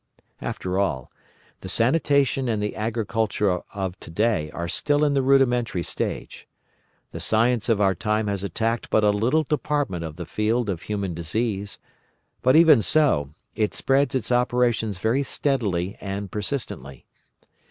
"After all, the sanitation and the agriculture of today are still in the rudimentary stage. The science of our time has attacked but a little department of the field of human disease, but, even so, it spreads its operations very steadily and persistently.